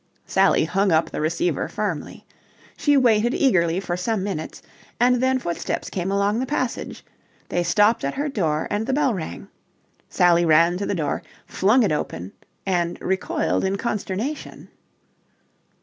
Sally hung up the receiver firmly. She waited eagerly for some minutes, and then footsteps came along the passage. They stopped at her door and the bell rang. Sally ran to the door, flung it open, and recoiled in consternation.